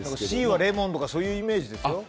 Ｃはレモンとかそういうイメージですよ